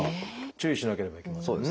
注意しなければいけませんね。